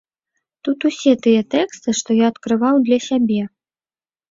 Тут усе тыя тэксты, што я адкрываў для сябе.